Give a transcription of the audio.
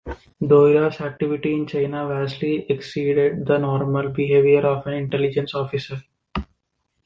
Doihara's activity in China vastly exceeded the normal behaviour of an intelligence officer.